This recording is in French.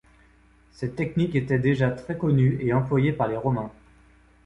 Cette technique était déjà très connue et employée par les Romains.